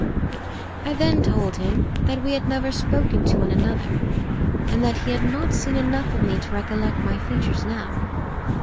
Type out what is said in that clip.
I then told him that we had never spoken to one another, and that he had not seen enough of me to recollect my features now.